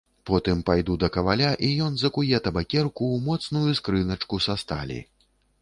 Потым пайду да каваля, і ён закуе табакерку ў моцную скрыначку са сталі.